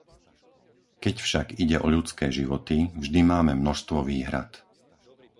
Keď však ide o ľudské životy, vždy máme množstvo výhrad.